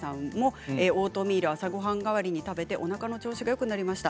オートミールを朝ごはん代わりに食べて、おなかの調子がよくなりました。